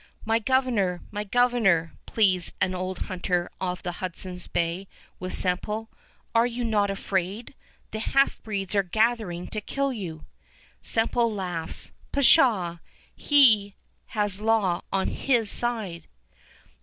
"My Governor! My Governor!" pleads an old hunter of the Hudson's Bay with Semple; "are you not afraid? The half breeds are gathering to kill you!" Semple laughs. Pshaw! He has law on his side.